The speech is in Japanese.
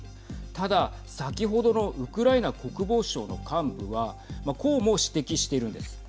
ただ、先ほどのウクライナ国防省の幹部はこうも指摘しているんです。